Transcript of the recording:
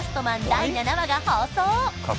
第７話が放送